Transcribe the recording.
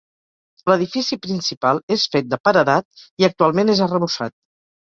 L'edifici principal és fet de paredat i actualment és arrebossat.